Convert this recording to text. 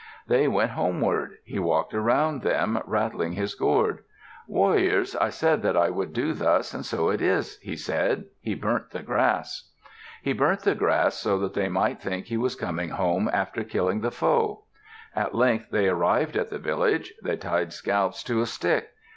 They went homeward. He walked around them, rattling his gourd. "Warriors, I said that I would do thus, and so it is," he said. He burnt the grass. He burnt the grass so that they might think he was coming home after killing the foe. At length they arrived at the village. They tied scalps to a stick.